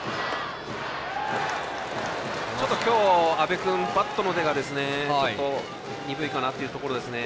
ちょっと今日阿部君、バットの出が鈍いかなというところですね。